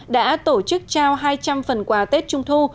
đã tổ chức trao hai trăm linh phần quà tết trung thu